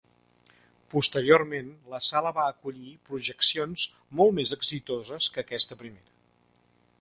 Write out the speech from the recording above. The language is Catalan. Posteriorment, la sala va acollir projeccions molt més exitoses que aquesta primera.